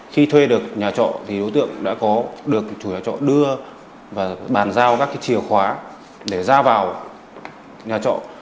khi thuê được nhà trọ thì đối tượng đã có được chủ nhà trọ đưa và bàn giao các chìa khóa để ra vào nhà trọ